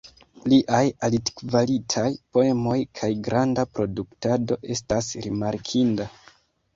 Liaj altkvalitaj poemoj kaj granda produktado estas rimarkinda.